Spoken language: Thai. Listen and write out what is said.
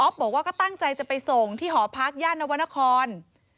บอกว่าก็ตั้งใจจะไปส่งที่หอพักย่านนวรรณคร